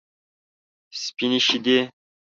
سپینې شیدې.